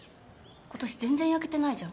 今年全然焼けてないじゃん。